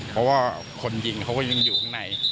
เพราะว่าคนยิงเขาก็ยังอยู่ข้างใน